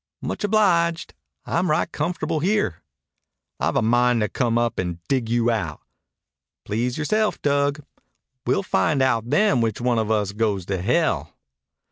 "Much obliged. I'm right comfortable here." "I've a mind to come up and dig you out." "Please yoreself, Dug. We'll find out then which one of us goes to hell."